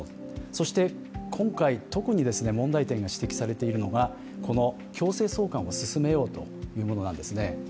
そして今回、特に問題点が指摘されているのがこの強制送還を進めようというものなんですね。